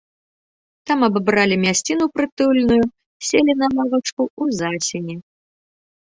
Там абабралі мясціну прытульную, селі на лавачку ў засені.